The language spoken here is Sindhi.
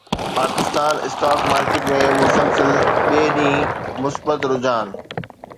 پاڪستان اسٽاڪ مارڪيٽ ۾ مسلسل ٻئي ڏينهن مثبت رجحان